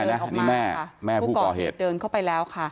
อันนี้แม่แม่ผู้ก่อเหตุเดินเข้าไปแล้วค่ะ